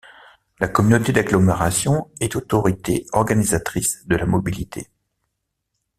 La communauté d'agglomération est autorité organisatrice de la mobilité.